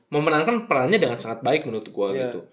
memenangkan perannya dengan sangat baik menurut gue gitu